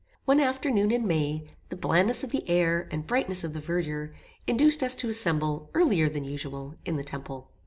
One afternoon in May, the blandness of the air, and brightness of the verdure, induced us to assemble, earlier than usual, in the temple.